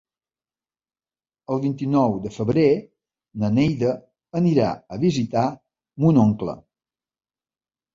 El vint-i-nou de febrer na Neida anirà a visitar mon oncle.